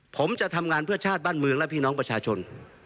ผมจะทำงานเพื่อชาติบ้านเมืองและพี่น้องประชาชน